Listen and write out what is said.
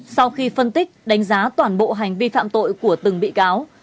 sau khi phân tích đánh giá toàn bộ hành vi phạm tội của từng bị cáo